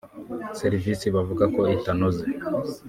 serivisi bavuga ko itanoze